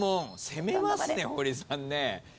攻めますね堀さんね。